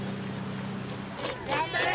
頑張れ！